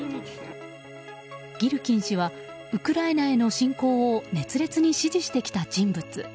ギルキン氏はウクライナへの侵攻を熱烈に支持してきた人物。